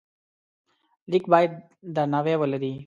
لیک باید درناوی ولري.